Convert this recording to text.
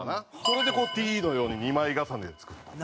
それでこう「Ｔ」のように２枚重ねで作った。